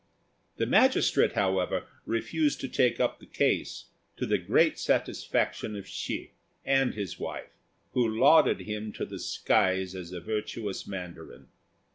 The magistrate, however, refused to take up the case, to the great satisfaction of Hsi and his wife, who lauded him to the skies as a virtuous mandarin.